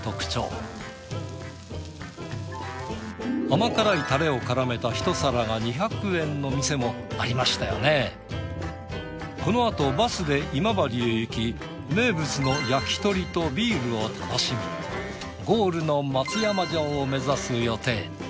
甘辛いタレを絡めたこの後バスで今治へ行き名物の焼き鳥とビールを楽しみゴールの松山城を目指す予定。